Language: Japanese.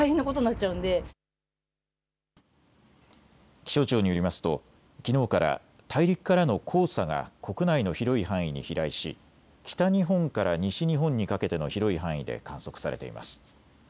気象庁によりますときのうから大陸からの黄砂が国内の広い範囲に飛来し北日本から西日本にかけての広い範囲で観測されています。